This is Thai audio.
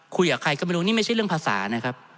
คุยกับใครก็ไม่รู้นี่ไม่ใช่เรื่องภาษานะครับ